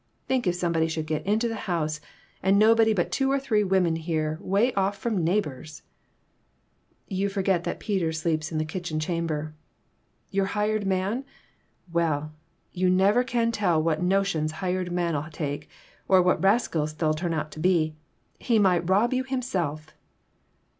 Think if somebody should get into the house, and nobody but two or three women here, way off from neighbors !" "You forget that Peter sleeps in the kitchen chamber." " Your hired man ? Well, you never can tell what notions hired men'll take, or what rascals they'll turn out to be. He might rob you himself."